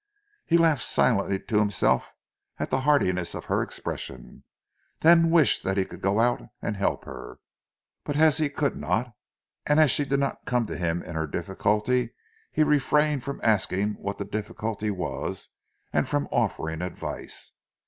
He laughed silently to himself at the heartiness of her expression, then wished that he could go out and help her; but as he could not, and as she did not come to him in her difficulty he refrained from asking what the difficulty was, and from offering advice.